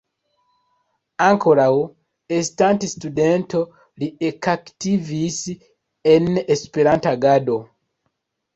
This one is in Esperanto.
Ankoraŭ estante studento li ekaktivis en Esperanto-agado.